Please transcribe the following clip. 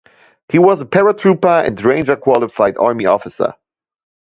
He was a paratrooper and Ranger-qualified Army officer.